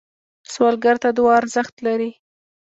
سوالګر ته دعا ارزښت لري